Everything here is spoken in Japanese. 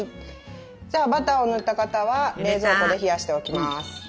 じゃあバターを塗った型は冷蔵庫で冷やしておきます。